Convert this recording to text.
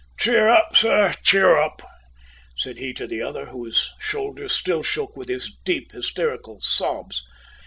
"Cheer up, sir, cheer up," said he to the other, whose shoulders still shook with his deep hysterical sobs.